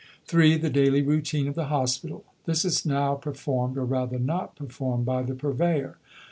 (3) The daily routine of the Hospital. This is now performed, or rather not performed by the Purveyor.